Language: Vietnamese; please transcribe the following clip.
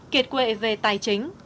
kiệt quệ về tài chính